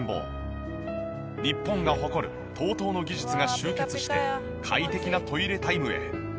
日本が誇るＴＯＴＯの技術が集結して快適なトイレタイムへ。